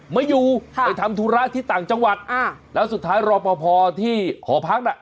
ไม่อยู่ไปทำธุระที่ต่างจังหวัดอ่าแล้วสุดท้ายรอพอพอที่หอพักน่ะ